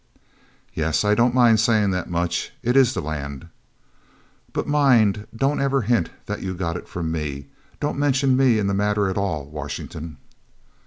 "Yes, I don't mind saying that much. It is the land. "But mind don't ever hint that you got it from me. Don't mention me in the matter at all, Washington."